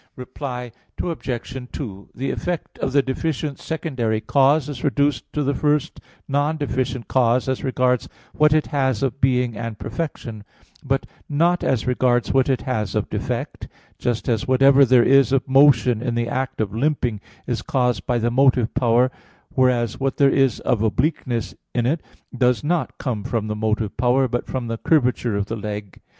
Reply Obj. 2: The effect of the deficient secondary cause is reduced to the first non deficient cause as regards what it has of being and perfection, but not as regards what it has of defect; just as whatever there is of motion in the act of limping is caused by the motive power, whereas what there is of obliqueness in it does not come from the motive power, but from the curvature of the leg.